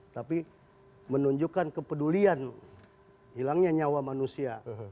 tapi menunjukkan kepedulian hilangnya nyawa manusia